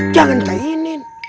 jangan cah inin